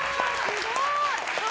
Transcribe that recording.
すごい！